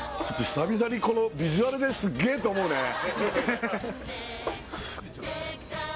ちょっと久々にこのビジュアルですっげえと思うね